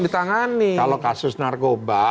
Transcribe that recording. ditangani kalau kasus narkoba